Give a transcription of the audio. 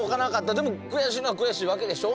でも悔しいのは悔しいわけでしょ？